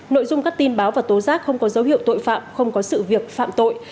nội dung các tin báo và tố giác không có dấu hiệu tội phạm không có sự việc phạm tội